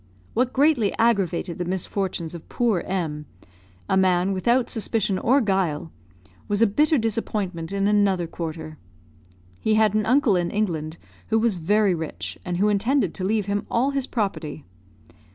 What greatly aggravated the misfortunes of poor M , a man without suspicion or guile, was a bitter disappointment in another quarter. He had an uncle in England, who was very rich, and who intended to leave him all his property.